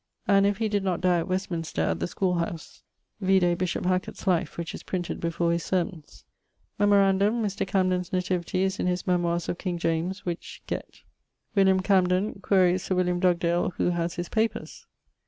And if he did not dye at Westminster at the schoole house vide bishop Hackett's life, which is printed before his sermons. Memorandum: Mr. Camden's nativity is in his Memoires of King James, which gett. William Camden: quaere Sir William Dugdale who haz his papers?